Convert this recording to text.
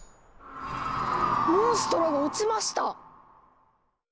モンストロが落ちました！